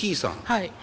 はい。